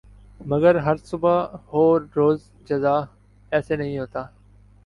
مگر ہر صبح ہو روز جزا ایسے نہیں ہوتا